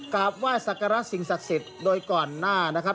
กราบไหว้สักการะสิ่งศักดิ์สิทธิ์โดยก่อนหน้านะครับ